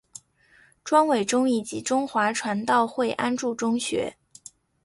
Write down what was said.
庄伟忠以及中华传道会安柱中学。